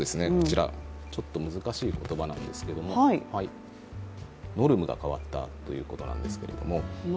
ちょっと難しい言葉なんですけども、ノルムが変わったということなんですが。